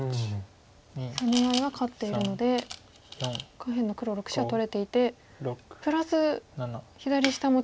攻め合いは勝っているので下辺の黒６子は取れていてプラス左下もちょっと。